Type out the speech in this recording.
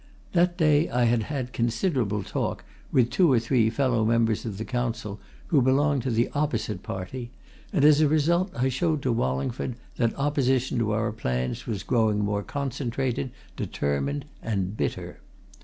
That day I had had considerable talk with two or three fellow members of the Council who belonged to the opposite party, and as a result I showed to Wallingford that opposition to our plans was growing more concentrated, determined and bitter.